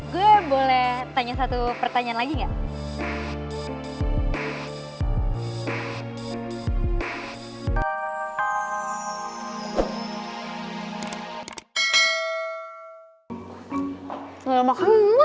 gue boleh tanya satu pertanyaan lagi gak